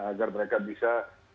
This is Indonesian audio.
agar mereka bisa